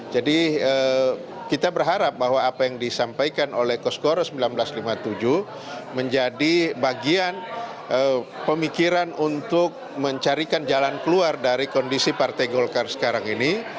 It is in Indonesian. jadi kita berharap bahwa apa yang disampaikan oleh kosgoro seribu sembilan ratus lima puluh tujuh menjadi bagian pemikiran untuk mencarikan jalan keluar dari kondisi partai golkar sekarang ini